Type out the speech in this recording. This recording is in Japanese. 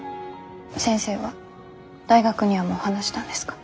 先生は大学にはもう話したんですか？